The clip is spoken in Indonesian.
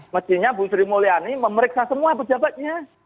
mestinya bu sri mulyani memeriksa semua pejabatnya